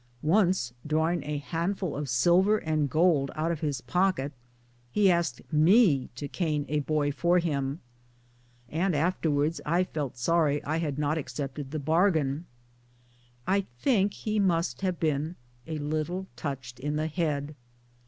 Once, drawing a handful of silver and gold out of his pocket, he asked me to cane a boy for him and afterwards I felt sorry I had not accepted the bargain. I think he must have been a little touched in the head.